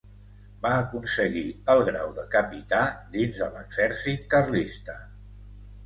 Va aconseguir el grau de capità dins de l'exèrcit carlista.